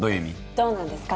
どうなんですか？